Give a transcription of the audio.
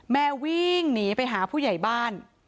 แม่วิ่งหนีไปหาผู้ใหญ่บ้าน